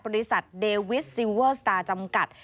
บริษัทเดวิสซิลเวอร์สตาร์จำกัด